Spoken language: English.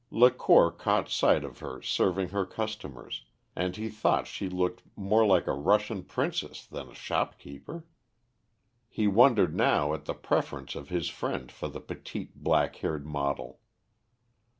Lacour caught sight of her serving her customers, and he thought she looked more like a Russian princess than a shopkeeper. He wondered now at the preference of his friend for the petite black haired model.